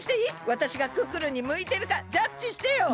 わたしがクックルンにむいてるかジャッジしてよ！